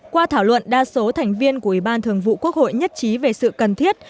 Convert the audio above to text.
qua thảo luận đa số thành viên của ủy ban thường vụ quốc hội nhất trí về sự cần thiết